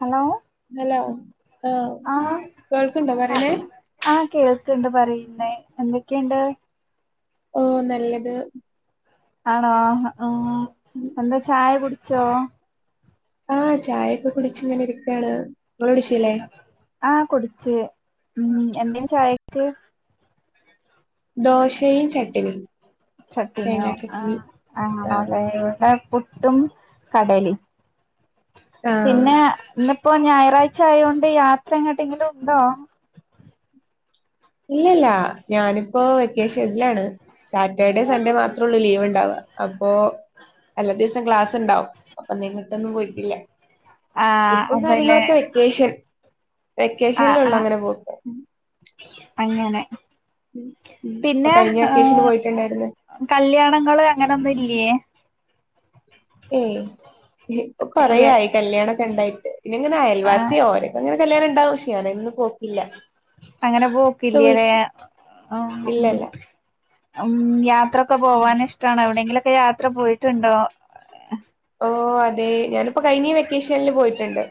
Hello hello ആഹ് കേൾക്ക്ണ്ടോ പറയണേ ആഹ് കേൾ ക്ക്ണ്ട് പറിയുന്നേ എന്തൊക്കേണ്ട് ഓഹ് നല്ലത് ആണോ ആഹ് എന്താ ചായ കുട് ച്ചോ ആഹ് ചായൊക്കെ കുട്ച്ങ്ങനെരിക്കാണ് ങ്ങളുട്ച്ച്ലേ ആഹ് കുടിച്ച്. ഉംഹ് എന്തേനി ചായയ്ക്ക് ദോശയും ചട്ടിനിം ചട്ടിനോ ആഹ് ആഹ് ആലേ ഇവടെ പുട്ടും കടലിം ആഹ് പിന്നെ ന്ന് ഇപ്പൊ ഞായറാഴ്ച ആയോണ്ട് യാത്രങ്ങട്ടെങ്കിലും ഉണ്ടോ ഇല്ലല്ല ഞാനിപ്പോ വെക്കേഷൻലാണ് സാറ്റർഡേ സൺഡേ മാത്രേ ഒള്ളൂ ലീവ് ഒണ്ടാവുക അപ്പോ അല്ലാതെ സ് ക്ലാസ് ണ്ടാവും അപ്പ നിങ്ങ [unintelligible] പോയിട്ടില്ല ആഹ് ഇപ്പം അതല്ലേ കാര്യങ്ങളൊക്കെ വെക്കേഷൻ ആഹ് വെക്കേഷനിലൊള്ളു ആഹ് അങ്ങനെ പോക്ക് അങ്ങനെ ഉം ഇപ്പൊ പിന്നെ കഴിഞ്ഞ വെക്കേഷന് ഏഹ് പോയിട്ടുണ്ടായിരുന്നു കല്യാണങ്ങള് അങ്ങനൊന്നുല്ലേ ഏ ഇല്ല്യ കൊറയായി കല്യാണ ഒക്കെ ഉണ്ടായി പിന്നെങ്ങനെ അയൽവാസി ആഹ് ഓരക്കങ്ങനെ കല്യാണ ഉണ്ടാവും ്യാനന്ന് അങ്ങനെ വീ പോക്കല്ലതേ ഇല്ലല്ല ഉ യാ എത്രൊക്ക പോവാൻ ഇഷ്ടമാണ് എവിടെയങ്കിലും ക്ക യാത്ര പോയിട്ടുണ്ടോ ഓ അതെ ഞാനിപ്പോ കഴഞ്ഞീ വെക്കേഷനിൽ പോയിട്ടുണ്ട്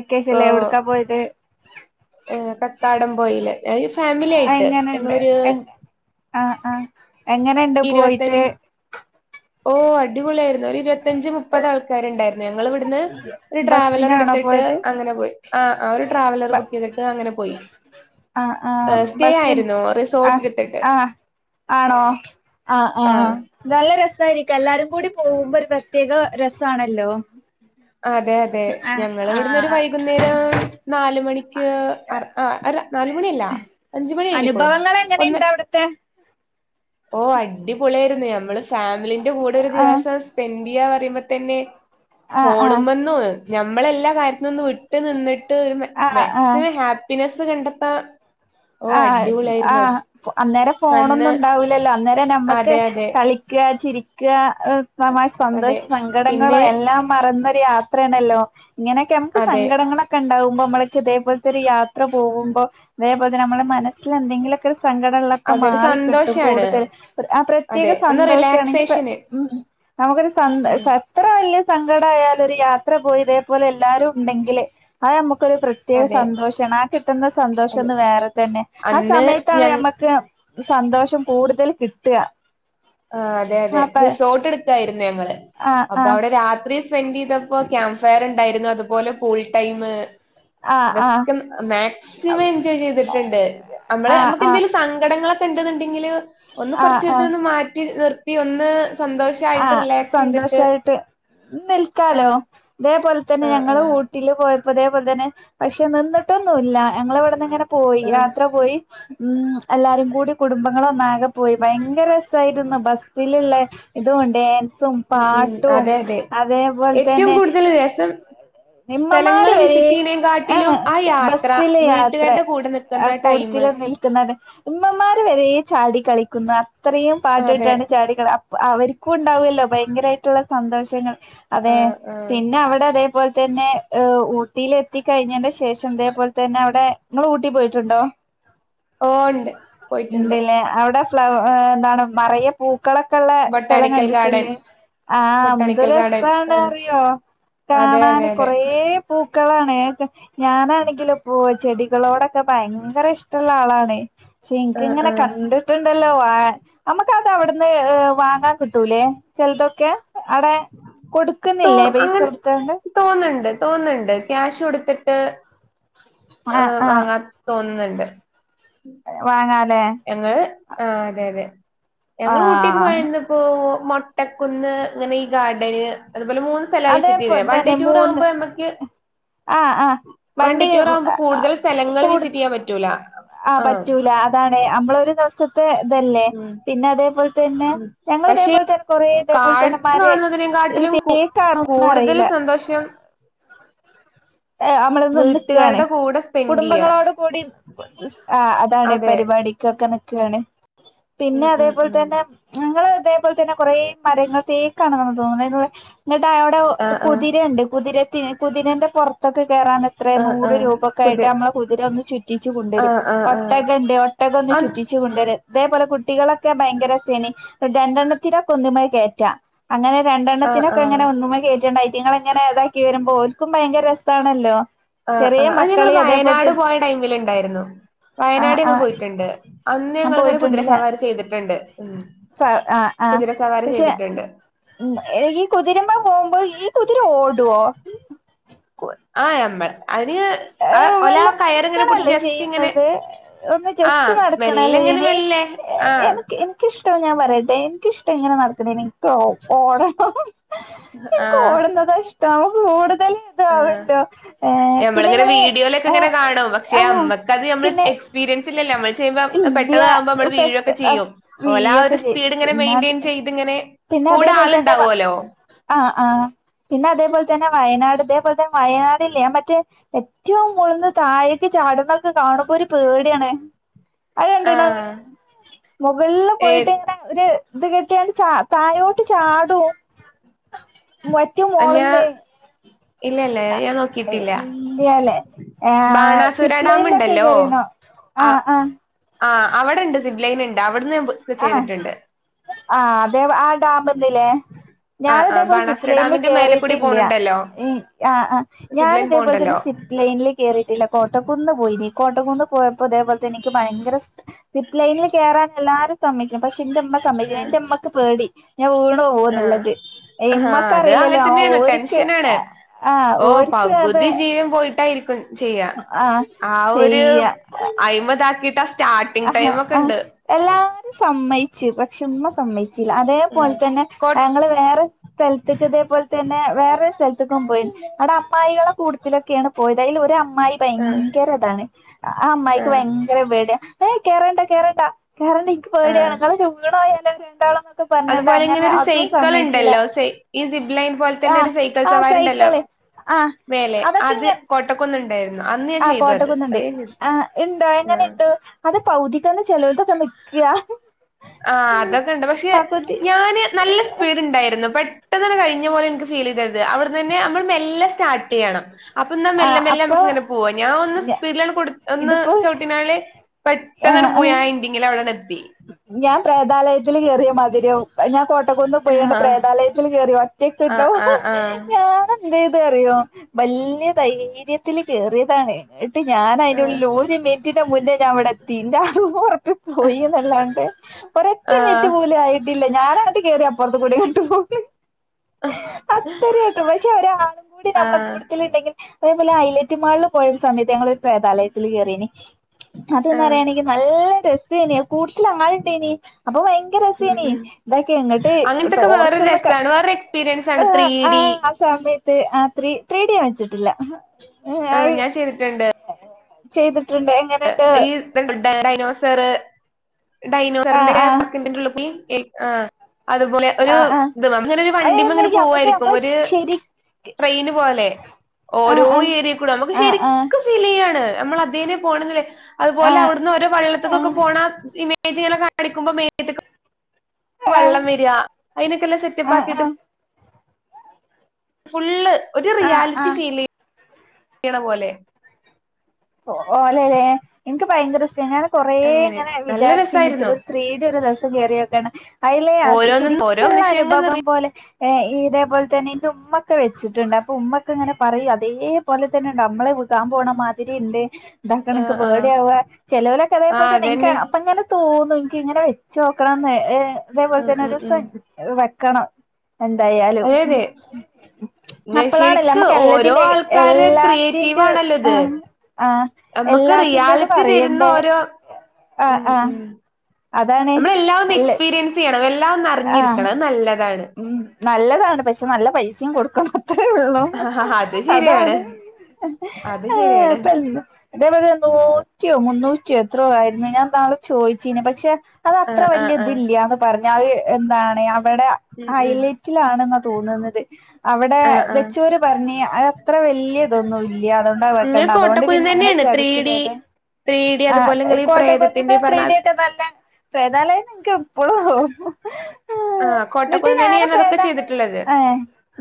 അക്കശല്ലേ എവിടക്കാ പോയത് ഏ കക്കാടം പോയിയില് ഫാമിലി ആയിട്ട് എങ്ങനെണ്ട് ങ്ങളൊരു എങ്ങനെുണ്ട് പോയിട്ട് ഓ അടിപൊളിയായിരുന്നു ഒരു ഇരുപത്തഞ്ച് മുപ്പത് ആൾക്കാരുണ്ടായിരുന്നു ഞങ്ങ ഇവിടുന്ന് ഒരു ട്രാവലർ ബസ്സിനാണോ എടുത്തിട്ട് പോയത് അങ്ങനെ പോയി ആ ആ ഒരു ട്രാവലർ ബുക്ക് ചെയ്തിട്ട് അങ്ങനെ പോയി ആ ആ സ്റ്റേ ബസി ആയിരുന്നു ആ റിസോർട്ട് എടുത്തിട്ട് ആഹ ആണോ ആ ആ ആഹ് നല്ല ര ശരിക്ക എല്ലാരും കൂടി പോകുമ്പോ ഒരു പ്രത്യേക രസമാണല്ലോ അതെ അതെ ഞങ്ങ ഇവിടുന്ന്രു വൈകുന്നേരം നാല മണി ആ അ നാലുമണി അല്ല അഞ്ചുമണി കഴിഞ്ഞിക്കോളൂ ഒന്ന് അനുഭവങ്ങളെങ്ങനെണ്ട് അവിടുത്തെ ഓ അടിപൊളിയ ആായിരുന്നു നമ്മള് ഫാമിലിന്റെ കൂടെ ഒരു ആഹ് ദിവസം സ്പെൻഡ് പറയുമ്പോ തന്നെ ആഹ് ഫോണ ആഹ് മന്നു ഞമ്മെ എല്ലാ കാര്ത്തിനും ഒന്ന്ട്ട നി് ആഹ് മാക്സിമം ഹാപ്പിനെ കണ്ടെത്ത ആ് ആ് അന്നേര അന്ന് ഫോണൊന്നും ഉണ്ടാവൂലല്ലോ അന്നേര ഇ നമ്മുക്ക് അതെ, അതെ, കളിക്കുക ചി സമാശ അതെ. സന്തോഷം സങ്കടങ്ങളും പിന്നെ എല്ലാം മറന്നൊരു യാത്രയാണല്ലോ ഇങ്ങനെയൊക്കെ നമുക്ക് അതെ. സങ്കടങ്ങളൊക്കെ ഉണ്ടാവും ഇതേപോലത്തെ ഒരു യാത്ര പോകുമ്പോ അത അ നമ്മുടെ മനസ്സിൽ എന്തെങ്കിലൊക്ക സങ്കടനളൊക്കെ അതൊരു മാറിക്കിട്ടും സന്തോഷാണ്. കൂടുതൽ ആ പ്രത്യേക അതെ. ഒന്ന് സന്തോഷമാണെങ്കിൽ റിലാക്സേഷന്. ഉ നമുക്കൊരു സന്ത ഉം. അത്ര വലിയ സങ്കട ആയാാല ഒരു യാത്ര പോയിതേപോലെ എല്ലാവാരും ഉണ്ടെങ്കേ അത് പ്രത്യേക അതെ, സന്തോഷമാണ് കിട്ടുന്ന സന്തോഷം അതെ. വേറെ തന്നെ ആ അന്ന് സമയത്താണ് ഞങ് മ്മക്ക് സന്തോഷം കൂടുതൽ കിട്ടുക ആഹ് അതെ അതെ ആ പ റിസോർട്ട് എടുകാർന്നു ഞങ്ങള് ആ അപ്പൊ ആ അവിടെ രാത്രി സ്പെൻഡ്‌ ചെയ്തപ്പോ ക്യാമ്പ്ഫയർ ഉണ്ടായിരുന്നു അ അതുപോലെ കുൾ ടൈം ആ ആ അതൊക്കെ മാക്സിമം എൻജോയ് ചെയ്തിട്ടുണ്ട് നമ്മള് ആ നമുക്ക് എന്തേിലും സങ്കടങ്ങളൊക്കെ [unintelligible] ൻക്കില് ഒന്ന് ആ ആ ആ കുറച്ചൊക്കെ മാ നിർത്തി ഒന്ന് സന്തോഷായിട്ട് ആഹ് റിലാക്സ് ചെയ്തിട്ട് സന്തോഷായിട്ട് നിൽക്കാലോ ആഹ് ഇതേപോലെ തന്നെ ആഹ് ഞങ്ങള് ആഹ് ഊട്ടില് പോയ അതേപോലെ തന്നെ പക്ഷെ നിന്നിട്ടൊന്നും ഇല്ല ഞങ്ങള് അവിടുന്ന് ഇങ്ങനെ പോയി ആഹ് യാത്ര പോയി ഉം എല്ലാരും കൂടി കുടുംബങ്ങള ഒന്നാകെ പോയി ഭയങ്കര രസമായിരുന്നു ബസിലുള്ള ഇതുകൊണ്ട ഉം ഉം പാട്ടും അതെ അതെ അതേപോലെ ഏറ്റവും തന്നെ കൂടുതൽ രസം സ്ഥലങ്ങൾ നിമ്മമാര് വരെ വിസിറ്റ് ചെയ്യണേക്കാട്ടിലും ആഹ് ആ യാത്ര ബസില് യാത്ര വീട്ടുകാരുടെ കൂടെ നിക്കുന്ന ടൈമ് കൂട്ടത്തില് നിൽക്കുന്നത് ഉമ്മമാര് വരെ ചാടി കളിക്കും [unintelligible] ഇത്രയും അതെ പാട്ടിട്ടാണ് ചാടിക അവർക്കും ഉണ്ടാവല്ലോ ഭയങ്കരമായിട്ടുള്ള സന്തോഷങ്ങൾ അതെ ആഹ് ആഹ് പിന്നെ അവിടെ അതെ തന്നെ ഉം ഊട്ടിൽ എത്തിക്കഴിഞ്ഞന്റെ ശേഷം ഇതേപോലെ തന്നെ അവിടെ നിങ്ങൾ ഊട്ടി പോയിട്ടുണ്ടോ ഓ ഉണ്ട് പോയിട്ടുണ്ട് ഉണ്ടല്ലേ അവിടെ ഫ്ലവ് ഏഹ് എന്താണ് മറയ പൂ മക്കളൊക്കെ ഉള്ള സ്ഥലം ബൊട്ടാണിക്കൽ ഗാർഡൻ കണ്ടിട്ടില്ലേ അഹ് എന്ത് ബൊട്ടാണിക്കൽ ഗാർഡൻ രസാണ് ആഹ് അറിയോ അതെ കാണൻ അതെ അതെ കൊറേ പൂ ക്കളാണ് ഞാനാണെങ്കിലും ഇപ്പോ ചെടികളോടൊക്കെ ഭയങ്കര ഇഷ്ടമുള്ള ആളാണ് പക്ഷെ എനക്ക് ആഹ് ഇങ്ങനെ ആഹ് കണ്ടിട്ടു ഉണ്ടല്ലോ നമുക്ക് അത് അവിടുന്ന് വാങ്ങൻ കിട്ടൂലേ ചെലതൊക്കെ അവിടെ കൊടുക്കുന്നില്ലേ പൈസ കൊടുത്തണ്ട് തോന്നുന്നുണ്ട് ക്യാഷ് കൊടുത്തിട്ട് ആ ആഹ് വാങ്ങാൻ തോന്ന് ന്ന്ണ്ട് ണ്ട് വാങ്ങാൻ ഞങ്ങള് ആ അതെ യതെ ഞങ്ങള് ഊട്ടിക്ക് ആഹ് പോയന്നപ്പോ മൊട്ടക്കുന്ന് ഇങ്ങനെ ഈ ഗാർഡന് അതുപോലെ മൂന്ന് സ്ഥലാ വിസിറ്റെയ് തെ അതേപോലെ വൺണ്ടേ തന്നെ ടൂ മൂന്ന് റാകുമ്പോ നമക്ക് ആഹ് ആഹ് വൺണ്ടേ വണ്ടി ടൂ റാവുമ്പോ കൂടുതൽ സ്ഥലങ്ങള് കൂടു വിസിറ്റെയ്യാൻ പറ്റൂല ആ തെ നമ്മളൊരു ദിവസം ത്തെ ഇതല്ലെ പിന്നെ അതേപോൽത്തെ പിന്നെ ഞങ്ങൾ പക്ഷെ ഇതേപോലെ തന്നെ കൊറ ഇതേപോലെ തന്നെ കാഴ്ച മരേ കാണുന്നതിനെക്കാട്ടിലും കു [unintelligible] ക്കാറും കൂടുതൽ ന്നറീല സന്തോഷം എ അമ്മള് വന്ന്ക്കാണ് വീട്ടുകാരുടെ കൂടെ സ്പെൻഡ് ചെയ്യാ കുടുംബങ്ങളോട് കൂടി ആ അതാണ് അതെ പരിപാടിക്കൊക്കെ നി ക്കാണ് ഉം പിന്നെ ഉം അതേപോൽ ഉം തന്നെ ഞങ്ങള് അതേപോൽ തന്നെ കൊറെ മരങ്ങൾ തേക്കാണെന്നു തോന്ന്ണ് [unintelligible] എന്നിട്ട് അയോടൊ ആഹ് ആഹ് കുതിരണ്ട് കുതിര [unintelligible] കുതിരെന്റെ പൊർത്തൊക്കെ കേറാനെത്ര ആഹ് നൂറ് ആഹ് രൂപക്കയിട്ട് പുതിയ നമ്മള കുതിരൊന്ന് ചുറ്റിച്ച് കൊണ്ടൊരും ആഹ് ആഹ് ആഹ് ഒട്ടക ണ്ട് ഒട്ടകൊന്ന് അഹ് ചുറ്റിച്ച് കൊണ്ടൊരും അതേപോലെ കുട്ടികളൊക്കെ ഭയങ്കരൊച്ചേനി രണ്ടെണ്ണത്തിരൊക്കൊന്ന് മ്മേ കേറ്റാ അങ്ങനെ ആഹ് രണ്ടെണ്ണത്തിനൊ ആഹ് ക്കങ്ങനെ ഒന്നുമെ കേറ്റാണ്ടായി റ്റിങ്ങളിങ്ങനെ താക്കി വരുമ്പോ ഓൽക്കും ഭയങ്കര രസാണല്ലോ ആ ആ ചെറിയ അഅ് ഞങ്ങള് മക്കളി വയനാട് അതേപോലത്തെ പോയ ടൈമില് ണ്ടായിരുന്നു ആ വയനാട് ഞങ്ങൾ ആ പോയിട്ട്ണ്ട് അന്ന് ഞങ്ങളിങ്ങനെ പോയിട്ടുണ്ടല്ലേ കുതിരസവാരി ചെയ്തിട്ട്ണ്ട് ഉ സ ആ ആ കുതിരസവാരി പക്ഷെ ചെയ്തിട്ട്ണ്ട് ഉം ഈ കുതിരമ്മേ പോവുമ്പോ ഈ കുതിര ഓടോ ആ അമ്മള അയ്ന് അഅ് ഒലാ വല്ല കയറി ങ്ങനെ പുട്ച്ച് നടക്കണല്ലേ ജസ്റ്റിങ്ങനെ ചെയ്യുന്നത് ഒന്ന് ആ ജസ്റ്റ് നടക്കണല്ലേ മെല്ലെങ്ങനെ മെല്ലെ ആ ട്ടാ ഞാൻ പറയട്ടെ എനിക്കിഷ്ട ഇങ്ങനെ നടക്ക്ണെന് [unintelligible] ഓടണം ഇൻക്ക് ആഹ് ഓടുന്നതഷ് ത [unintelligible] ഓട് മുതല് താവ്ണ്ടോഏ മ്മളിങ്ങനെ വീഡിയോയിലൊക്കെങ്ങനെ കാണും പക്ഷെ അമ്മക്കത് നമ്മള് പിന്നെ എക്സ്പീരിയൻസില്ലല്ലേ അമ്മള് ചെയ്യുമ്പം ഇല്ല്യ പെട്ടെന്ന്തകുമ്പോ അമ്മള് വീഴൊ പെട്ട ക്കെ ചെയ്യും ഓല ആ ഒരു വീയൊക്കെ ചെയ്യും സ്പീഡ് ഇങ്ങനെ പിന്നെ മെയിന്റ്റെയിൻ അത് ചെയ്ത് ങ്ങനെ കൂടാ ള്ണ്ടാവോല്ലോ ആ ആ പിന്നെ അതേപോലെ തന്നെ വയനാട് അതേപോലെ തന്നെ വയനാട്ല്ലേ മറ്റേ ഏറ്റവും മുളന്ന് തായക്ക് ചാടുന്നൊക്കെ കാണുമ്പ ഒരു പേടിയാണ് അത് കണ്ടുണ ങ്ങൾ ആഹ് മൊകളിൽ ഏ പോയിട്ട് ഇങ്ങനെ ഒരു ഇത് കെട്ടിയാണ് ച തായോട്ട് ചാടും മറ്റു മോണന്ന് ഇല്ലല്ലേ ഞാൻ നോക്കിയിട്ടില്ല ഇല്ലയല്ലേ ആ സിപ് ഡാം ലൈനിലൊക്കെ ഉണ്ടല്ലോ കയറണോ ആ ആ ആ് അവിടെണ്ട് സി്ലൈന ഉണ്ട് അവിടുന്ന് ബുക്ക് ആ ചെയ്തിട്ടുണ്ട് ആ അതെ ആ ഡാമ് ന്നില്ലേ ഞാന ആഹ് ആഹ് ഇതേപോല സിപ്പ ബാണാസുര ലൈനിന്ന് ഡാമിന്റെ മേലെ കൂടി കേറിട്ടില്ല പോണുണ്ടല്ലോ ഉ ആ ആ സിബ്ലൈൻ ഞാനതേപോലെ പോണ്ടല്ലോ തന്നെി് സിപ് ലൈനിലേ കേയറിയിട്ടില്ല കോട്ടക്കുന്ന് പോയി കോട്ടംന്ന് പോയപ്പോ അതേപോലെ തെ എനിക്ക് ഭയങ്കര സിപ്പ് ലൈനിൽ കയറാൻ എല്ലാരും സമിക്ക പക്ഷെ എന്റെമ്മ സമ്മ ആഹ് എന്റെമ്മക്കെ പേടി ഞാൻ വീണോ ആഹ് പോന്നുള്ളത് ആഹ് ഇമ്മക്ക് അത് അറിയില്ലല്ലോ അങ്ങനെ ആ തന്നെയാണ് ഓക്ക് ടെൻഷനാണ് ആ ഓ ഓക്ക് അത് പകുതി ജീവൻ പോയിട്ടായിരിക്കും ചെയ്യാ ആഹ് ആ ഒരു അഴിമതാക്കിട്ട് ആ ആ എല്ലാരും സമ്മതിച്ചു പക്ഷെ സയ ഉം അതേപോലെ തന്നെ കൊ ഞങ്ങൾ വേറെ സ്ഥലത്തക്ക് ഇതേപോലെ തന്നെ വേറെ സ്ഥ ക്ക പോയി അവിടെ അമായികള കൂടുതലൊക്കെയാണ് പോയത് അതിൽ ഒരു അമ്മായി ആഹ് ഭയങ്കര ഇതാണ് ആ അമ്മായിക്ക് ആഹ് ഭയങ്കര പേടിയാ ഏയ് കേറണ്ട കേറണ്ട കേറണ്ട നിക്ക് ആഹ് പേടിയണങ്ങളെ വീണോയാൽ ണ്ട അതുപോലെ ഇങ്ങനെ ഒരു സൈക്കൾ ഉണ്ടല്ലോ സ ഈ സിബ് ലൈൻ പോലെ തന്നെ ആഹ് ഒരു സൈക്കിൾ ആഹ് സവാരി ണ്ടല്ലോ സൈക്കിള് ആഹ് മേലെ അത് കോട്ടക്കൊന്ന ഉണ്ടായിരുന്നു ആ് കോട്ടക്കുന്നുണ്ട് ആ ഉണ്ട്എങ്ങനെ ആഹ് ഇണ്ട അത് പൗതിക്കന്നെ ചെലവതൊക്കെ നിൽക്കുക ആ അതൊക്കെ ഉണ്ട് പക്ഷെ ഞാന് നല്ല സ്പീഡ ഉണ്ടായിരുന്നു പ പെട്ട തന്നെ കഴിഞ്ഞ പോലെനിക്ക് ഫീൽ ചെയ്തത് അവിടുന്ന്ന്നെമ്മ മെല്ലെ സ്റ്റാർട്ട് ചെയ്യണം അപ്പൊ എന്നാ ആ മെല്ലെ മെല്ലെ അപ്പൊ നമ്മുക്ക് ഇങ്ങനെ പോവാ ഞാൻ ഒന്ന് ഞ സ്പീഡിലാണ് ഒന്ന് ഇതിപ്പോ ചുവട്ടിനാെ പെട്ടെന്നാണ് പോയി ആ എന്തെങ്കിലും അവിടെ ത്തി ഞാൻ പ്രേതാലയത്തിൽ ചെറിയ മധുരം അ ഞാൻ [unintelligible] ട്ടക്കുന്ന് പോയാണ്ട് ആഹ് പ്രേതാലയത്തിൽ കേറി ഒറ്റക്ക് ട്ടോ ആഹ് ആഹ് ആഹ് ഞാന് എന്തയ്ത് അറിയോ വലിയ ധൈര്യത്തില് കേറിയതാണ് ഇ ന്നിട്ട് ആഹ് ഞാനയ്ൻ്റുള്ളിൽ ഒരു മിനിറ്റിന് മുന്നേ ഞാൻ വടെത്തി ഇന്റെ ആ ഉറക്കം പോയി ല്ലാണ്ട് ഒരു ഒറ്റ മിനിറ്റ് ആഹ് പോലും ആയിട്ടില്ല ഞാനങ്ങട്ട് കേറി അ പുറത്ത് കൂടെ ങ്ങട്ട് പോന്ന് അത്രയ്ട്ടും പക്ഷെ ഒരാളും കൂടി നമ്മെ ആഹ് കൂട്ടത്തിൽ ഉണ്ടെങ്കിൽ അതേപോലെ ഐലൈറ്റ് മാളില് പോയ ര് സമയത്ത് ഞങ്ങളൊര് പ്രേതാലയത്തില് കേറിനി അത് ന്ന് ആഹ് പറയാണെങ്കിൽ നല്ല രസേനി കൂട്ടത്തിൽ അങ്ങള്ണ്ടേനി അപ്പൊ ഭയങ്കര ഉം രസേനി ഉം ഇതൊക്കെ ഇങ്ങട്ട് അങ്ങനത്തൊക്കെ വേറൊരു ടോർച്ചർന്നക്കെ രസാണ്. വേറൊരു എക്സ്പീരിയൻസ് ആണ് ത്രീ ഡി ആ സമയ ത്ത് ത്രീ ഡി ഞാൻ വെച്ചിട്ടില്ല ആ ഞാൻ ചെയ്തിട്ടുണ്ട് ചെയ്ത് ഈ ഡൈനോസർ ആഹ് ഡൈനോസറിന്റെ ആഹ് [unintelligible] എൽ ആ അതുപോലെ ഒരു ആഹ് ആഹ് ഇത് ഒരു വണ്ടിമ അതെന്ന് ഇങ്ങനെ ഞമ്മക്ക് പോവായിരിക്കും നമ്മള് ഒര് ശരി ട്രെയിന് പോലെ ഓരോ ആഹ് ആഹ് ഏരിയേകൂടെ നമുക്ക് ആഹ് ശരിക്ക് ഫീലെയ്യാണ് നമ്മൾ അതിന് പോണംന്ന് വെ അതുപോലെ ആഹ് അവിടുന്ന് ഓരോ ആഹ് വള്ളത്തക്കൊക്ക ആഹ് പോണ [unintelligible] [unintelligible] ജി [unintelligible] കാണിയ്ക്കുമ്പോൾ മേ ത്ത്ക്ക് ആഹ് വെള്ളം വരാ അയിനൊക്കെ എല്ലാം സെറ്റപ്പ് ആഹ് ആക്കിട്ട് ആഹ് ഫുള്ള് ഒരു ആഹ് റിയാലിറ്റി ആഹ് ഫീ ലെ യ്ണ പോലെ ഇൻക്ക് ഭയങ്കര ഇഷ്ടേണ് ഞാ കൊറേ അങ്ങനെ ഇങ്ങനെ നല്ല വിചാരിച്ചിനി രസായിരുന്നു ത്രീ ഡീ ഒരു [unintelligible] [unintelligible] കേറിയോക്കണം അയ്ലേ അ ഓരോന്നും ഓരോ ശരിക്ക്ള്ള മനുഷ്യങ്ങൾ അനുഭവം നിർമ്മി പോലെ ഏ ഇതേപോലെ തന്നെ എന്റെ ഉമ്മഒക്കെ വച്ച്ട്ട്ണ്ട് അപ്പൊ ഉമ്മ ഒക്കെ ഇങ്ങനെ പറയാ അതേപോലെ തന്നെ നമ്മളെ കാൻ പോണ മാ ഇണ്ട് ഇഡാക്കണം എനിക്ക് ആഹ് ആഹ് പേടയാവുക ചെിലവലൊക്കെ അതേപലെ ആഹ് തന്നെ എനിക്ക് അതന്നെ അപ്പൊ ഇങ്ങനെ തോ നിനക്ക് ഇങ്ങനെ വെച്ച നോക്കണം അതേപോലെ ഉം തന്നെ ഉം ഉം ഒരു കാണ എന്തായാലും അതെ അതെ ഞാൻ അപ്പളാണല്ലേ ശരിക്ക് അമ്മക്ക് ഓരോ എല്ലത്തിന്റെ ആൾക്കാര് ക്രിയേറ്റീവ് എല്ലാത്തിന്റെ ആണല്ലോ ഇത് ആ ആഹ് നമ്മക്ക് എല്ലാത്തിന്റെന്ന് റിയാലിറ്റി തരുന്ന പറയണ്ടേ ഓരോ ആ ഉം ആ ഉം അതാണ് അമ്മള് എല്ലാ ഒന്ന് എല്ല എക്സ്പീരിയൻസെയ്യണം എല്ല് ല്ലാ ഒന്ന് ആ അർഞ്ഞിരിക്കണ അവ് നല്ലത ഉം നല്ലതാണ് പക്ഷെ നല്ല പൈസെം കൊട് ക്കണോഹ് ത്രെ ള്ളു അത് ശരിയാണ് അതാണ് അത് ശരിയാണ് തേപോലെ നൂറ്റ്യൊ മുന്നൂറ്റ്യൊ ത്രോ ആയിര്ന്നു ഞാ ന്നാള് ചോയ്ച്ചീനി പക്ഷെ അത അത്ര ആഹ് ആഹ് വല്ല്യ ത് ആഹ് ഇല്ല്യാന്ന് പർന് അവ് എന്താണ് അവടെ അ ഉം ഉം ഹൈലൈറ്റിലാണ് ന്ന് തോന്നുന്ന് അവടെ ആഹ് ആഹ് വെച്ചോര് പർഞ്ഞ് അത അത്ര വല്ല്യ തൊന്നുൽ ല്ല്യാന്ന് തോണ്ടവ് ഇങ്ങള് വെക്കണ്ട അതൊണ്ട് കോട്ടക്കുന്ന് പിന്നെ അങ്ങന തന്നെയാണ് ത്രീ ചട്ച്ച് ഡി പോയ്ത ത്രീ ഡി ആ അതുപോലെ ഇങ്ങളീ കൊട് പ്രേതത്തിന്റെ ഈ [unintelligible] ത്രീ പറഞ്ഞ ടി ക് നല്ലണ്ട് ന്നാല് [unintelligible] ള്ളോ ആഹ് ന്ന്ട്ട് കോട്ടക്കുന്ന് തന്നെ ഞാന് ഞാൻ അതൊക്കെ പ്രേതാന് ചെയ്തിട്ടുള്ളത് ഏ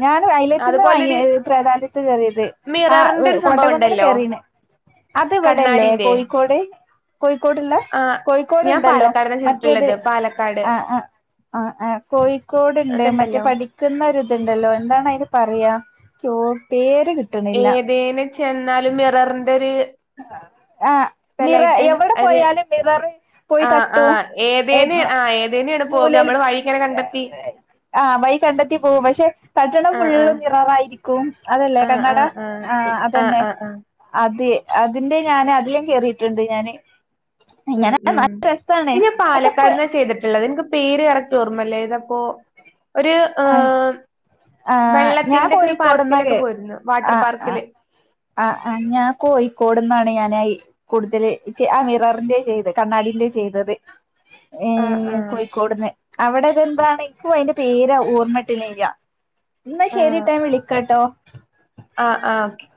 ഞാന് ഹയ്ലറ്റ്ന്ന് വാങ്ങിയ അതുപോലൊരു പ്രേതാലത്ത് കേറ്യത് ആ മിററിന്റെ ഒരു സംഭവം കോട്ടകുന്നിന് ഉണ്ടല്ലോ കേറീണ് അത് വെടല്ലേ കണ്ണാടിന്റെ കോഴിക്കോട് കോഴിക്കോട്ള്ള ആഹ് കോഴിക്കോട് ഞാൻ പാലക്കാട്ന്നാ ചെയ്തിട്ടുള്ളത് പാലക്കാട് ണ് ആ കോയി കോട്ണ്ട് മറ്റേ അതുണ്ടല്ലോ പഠിക്ക്‌ന്ന ഒര് ത്ണ്ടല്ലോ എന്താണ് അയ്ന് പറിയാ ക്യോ പേര് ര് കിട്ട്ണില്ല ഏതേന് ചെന്നാലും മിറർന്റെ ഒര് ആ മിറ എവിടെ ഒരു പോയാലും മിററ് പോയി ആഹ് തട്ടു ആഹ് ഏതേന് ആഹ് ഏതേനാണ് പോക മൂലേല് നമ്മള് വഴിങ്ങനെ കണ്ടെത്തി ആ വൈ കണ്ടെത്തി പോവും പക്ഷെ തട്ടണം ആഹ് ഫുള്ള് ആഹ് മിററായിരി ക്കും അതല്ലേ ആഹ് കണ്ണട ആഹ് ആഹ് ആ ആഹ് അതന്നെ ആഹ് ആഹ് അത് യെ അതിന്റെ ഞാന് അതിലും കേറീട്ട്ണ്ട് ഞാന് ഉം ഇങ്ങനെ ഉം നല്ല രസാണ് ഇനി അതൊക്കെ പാലക്കാട്ന്നാ ചെയ്തിട്ട്ള്ളത് ഇൻക്ക് പേര് കറക്റ്റ് ഓർമ്മല്ല ഏതാപ്പോ അഹ് ആഹ് ഞാ വെള്ളത്തിന്റെക്കെ ഒരു കോഴിക്കോട്ന്ന പാർക്കിലൊക്കെ കേ പോയിരുന്നു വാട്ടർ ആഹ് അഹ് പാർക്കില് അഹ് ഞാ കോഴിക്കോട്ന്നാണ് ഞാനായി കൂട്തല് ചെ അഹ് മിറർന്റെ ചെയ്ത് കണ്ണാടിന്റെ ചെയ്തത് ഏ ആഹ് ആഹ് കോഴിക്കോട്ന്ന് അവിടെതെന്താണെയ്ക്കും അയ്ന്റെ പേരാവു ഓർമ്മട്ടിണില്ല. എന്നാ ശരി ആഹ് ട്ടോ ഞാൻ വിളിക്കട്ടോ. ആഹ് ആഹ് ഓക്കെ.